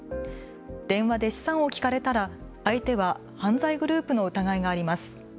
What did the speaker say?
電話で資産を聞かれたら相手は犯罪グループの疑いがあります。